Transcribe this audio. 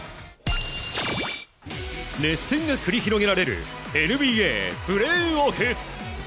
熱戦が繰り広げられるＮＢＡプレーオフ。